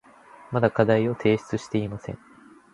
まだ課題を提出していません。